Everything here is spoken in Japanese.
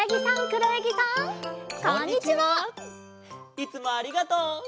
いつもありがとう！